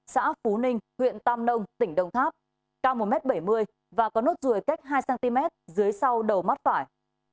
xã phú ninh huyện tam nông tỉnh đồng tháp cao một m bảy mươi và có nốt ruồi cách hai cm dưới sau đầu mắt phải